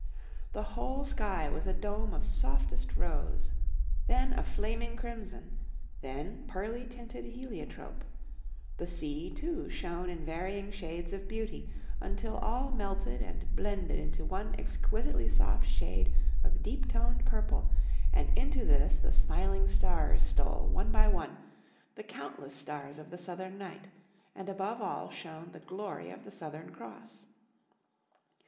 The whole sky was a dome of softest rose, Sailing to Sydney 9 then a flaming crimson, then pearly tinted helio trope ; the sea, too, shone in varying shades of beauty, until all melted and blended into one exquisitely soft shade of deep toned purple, and into this the smiling stars stole one by one, the countless stars of the southern night, and above all shone the glory of the Southern Cross.